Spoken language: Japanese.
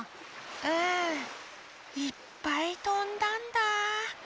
うんいっぱいとんだんだあ。